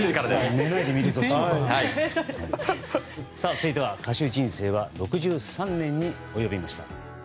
続いては歌手人生は６３年に及びました。